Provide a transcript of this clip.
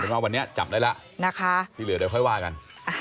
เอาวันนี้จับได้ละที่เหลือเดี๋ยวค่อยว่ากัน